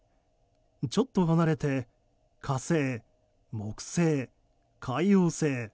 ちょっと離れて火星、木星、海王星。